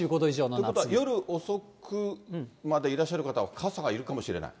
ということは、夜遅くまでいらっしゃる方は傘がいるかもしれない？